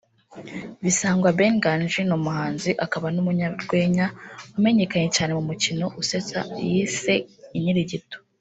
Bisangwa Ben Nganji ni umuhanzi akaba n’umunyarwenya wamenyekanye cyane mu mukino usetsa yise’Inkirigito’